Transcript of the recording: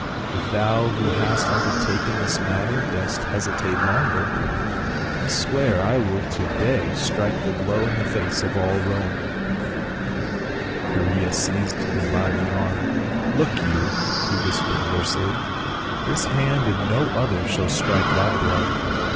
" If thou who hast undertaken this matter do.st hesitate longer, I swear that I will to day strike the blow in the face of all Rome." THE END OF THE PLA Y. 197 Chacrcas seized him by the arm. " Look you," he whispered hoarsely, " this hand and no other shall strike that blow